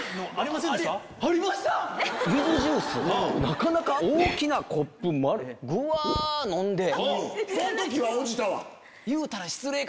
なかなか大きなコップぐわ飲んで。